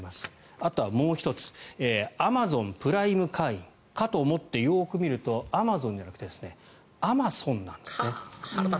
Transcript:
あとはもう１つアマゾンプライム会員かと思ってよく見るとアマゾンじゃなくてアマソンなんですね。